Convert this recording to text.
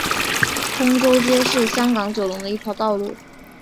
通州街是香港九龙的一条道路。